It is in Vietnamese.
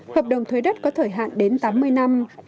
hợp đồng thuê đất có thời hạn đến tám mươi năm